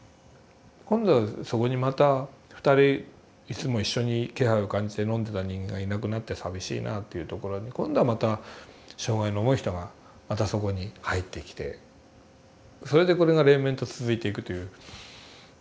今度そこにまた２人いつも一緒に気配を感じて飲んでた人間がいなくなって寂しいなというところに今度はまた障害の重い人がまたそこに入ってきてそれでこれが連綿と続いていくという。